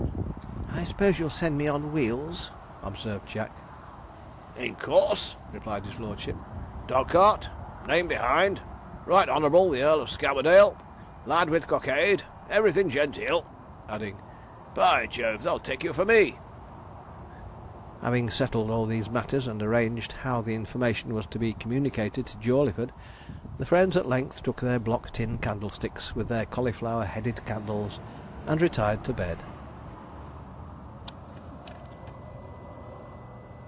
'I s'pose you'll send me on wheels?' observed Jack. 'In course,' replied his lordship. 'Dog cart name behind Right Honourable the Earl of Scamperdale lad with cockade everything genteel'; adding, 'by Jove, they'll take you for me!' Having settled all these matters, and arranged how the information was to be communicated to Jawleyford, the friends at length took their block tin candlesticks, with their cauliflower headed candles, and retired to bed.